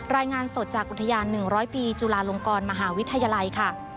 รายงานสดจากอุทยาน๑๐๐ปีจุลาลงกรมหาวิทยาลัยค่ะ